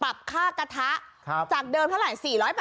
ปรับค่ากระทะครับจากเดินเท่าไร๔๘๒